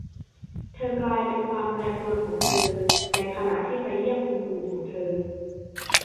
เธอกลายเป็นความแปรปรวนของเธอในขณะที่ไปเยี่ยมคุณปู่ของเธอ